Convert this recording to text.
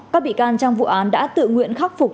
các bị can trong vụ án đã tự nguyện khắc phục